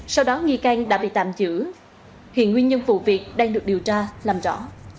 sau đó nghi can đã bị tạm giữ hiện nguyên nhân vụ việc đang được điều tra làm rõ